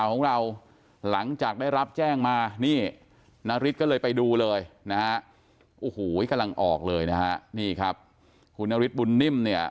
โอ้โหกำลังออกเลยนะฮะนี่ครับคุณนฤทธิ์บุญนิ่มเนี่ย